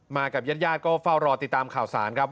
กับญาติญาติก็เฝ้ารอติดตามข่าวสารครับ